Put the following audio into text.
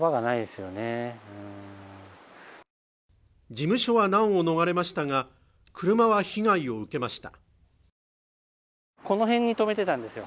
事務所は難を逃れましたが車は被害を受けました